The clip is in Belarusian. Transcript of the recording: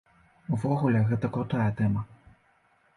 Увогуле, гэта крутая тэма.